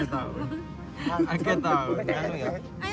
ini telur apa itu